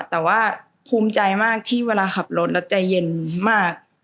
แต่ว่าภูมิใจมากที่เวลาขับรถแล้วใจเย็นมาก